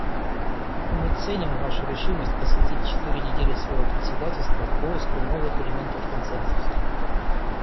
И мы ценим вашу решимость посвятить четыре недели своего председательства поиску новых элементов консенсуса.